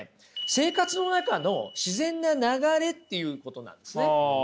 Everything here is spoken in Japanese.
生活の中の自然な流れっていうことなんですね。